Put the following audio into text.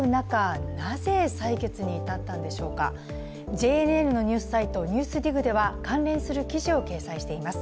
ＪＮＮのニュースサイト、「ＮＥＷＳＤＩＧ」では関連する記事を掲載しています。